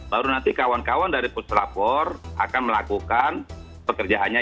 baru nanti kawan kawan dari puslapor akan melakukan pekerjaannya